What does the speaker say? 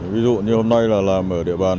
ví dụ như hôm nay là làm ở địa bàn